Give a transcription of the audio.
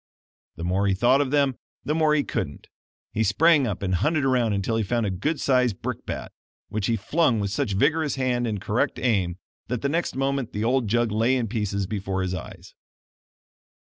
The more he thought of them, the more he couldn't. He sprang up and hunted around until he found a good size brick bat, which he flung with such vigorous hand and correct aim that the next moment the old jug lay in pieces before his eyes.